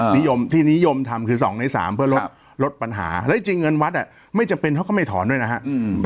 นิยมที่นิยมทำคือ๒ใน๓เพื่อลดลดปัญหาและจริงเงินวัดไม่จำเป็นเขาก็ไม่ถอนด้วยนะฮะ